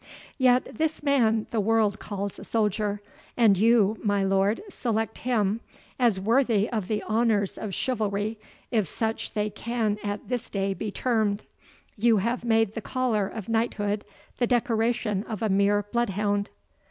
Yet this man the world calls a soldier and you, my lord, select him as worthy of the honours of chivalry, if such they can at this day be termed. You have made the collar of knighthood the decoration of a mere bloodhound."